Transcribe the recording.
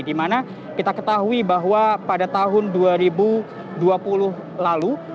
dimana kita ketahui bahwa pada tahun dua ribu dua puluh lalu